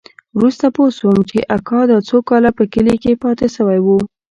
وروسته پوه سوم چې اکا دا څو کاله په کلي کښې پاته سوى و.